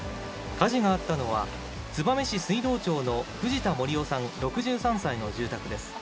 火事があったのは、燕市水道町の藤田守雄さん６３歳の住宅です。